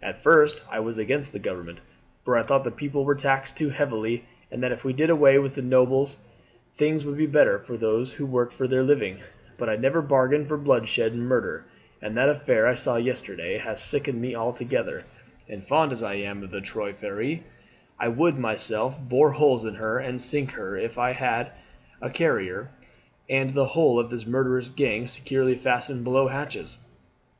At first I was against the government, for I thought the people were taxed too heavily, and that if we did away with the nobles things would be better for those who work for their living, but I never bargained for bloodshed and murder, and that affair I saw yesterday has sickened me altogether; and fond as I am of the Trois Freres, I would myself bore holes in her and sink her if I had Carrier and the whole of his murderous gang securely fastened below hatches.